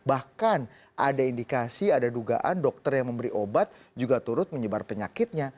bahkan ada indikasi ada dugaan dokter yang memberi obat juga turut menyebar penyakitnya